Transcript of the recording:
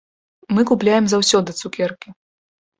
Мы купляем заўсёды цукеркі.